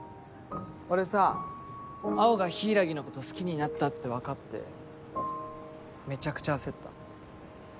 俺さ青が柊のこと好きになったって分かってめちゃくちゃ焦った。